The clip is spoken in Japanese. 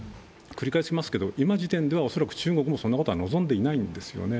繰り返しますけれども今時点では中国もそんなことは望んでないんですね。